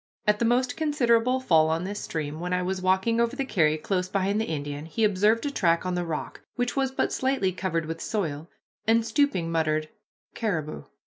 At the most considerable fall on this stream, when I was walking over the carry close behind the Indian, he observed a track on the rock, which was but slightly covered with soil, and, stooping, muttered, "Caribou."